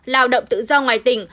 lao động tự do ngoài tỉnh